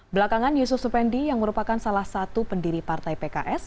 belakangan yusuf supendi yang merupakan salah satu pendiri partai pks